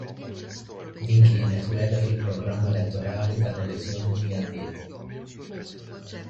Dik kienet wegħda fil-programm elettorali tal-elezzjoni li għaddiet.